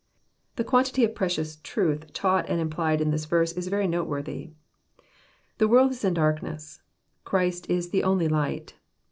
The quantity of precious truth taught and implied in this verse is very noteworthy. — The world is in darkness. — Christ is the only light.